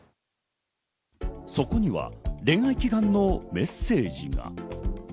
そこには恋愛祈願のメッセージが。